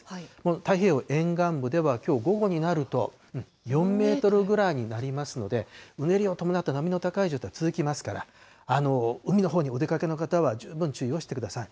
太平洋沿岸部ではきょう午後になると、４メートルぐらいになりますので、うねりを伴った波の高い状態続きますから、海のほうにお出かけの方は十分注意をしてください。